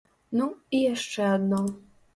Ну, і яшчэ адно.